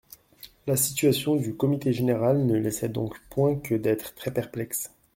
La situation du comité général ne laissait donc point que d'être très-perplexe.